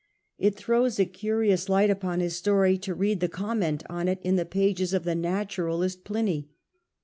It throws a curious light upon his story to read the comment on it in the pages of the naturalist Pliny.